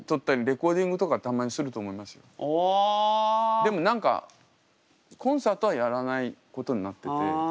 でも何かコンサートはやらないことになってて。